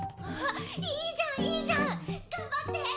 おっいいじゃんいいじゃん！頑張って！